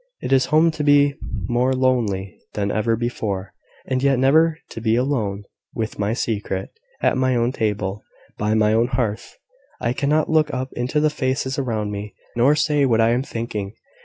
"It is home to be more lonely than ever before and yet never to be alone with my secret! At my own table, by my own hearth, I cannot look up into the faces around me, nor say what I am thinking.